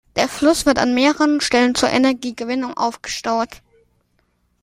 Der Fluss wird an mehreren Stellen zur Energiegewinnung aufgestaut.